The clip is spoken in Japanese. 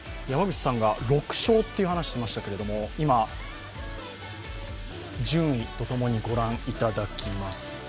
山口さんが６勝という話をしましたけれども、今順位とともにご覧いただきます。